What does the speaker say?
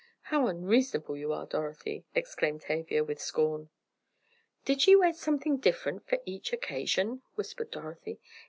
How unreasonable you are, Dorothy," exclaimed Tavia, with scorn. "Did she wear something different for each occasion?" whispered Dorothy.